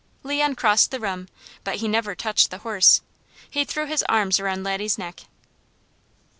Leon crossed the room, but he never touched the horse. He threw his arms around Laddie's neck.